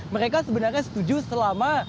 mereka sebenarnya setuju selama